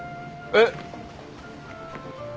えっ！？